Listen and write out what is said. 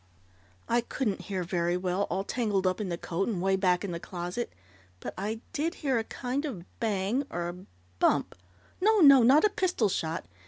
"I couldn't hear very well, all tangled up in the coat and 'way back in the closet, but I did hear a kind of bang or bump no, no, not a pistol shot!